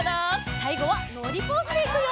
さいごはのりポーズでいくよ！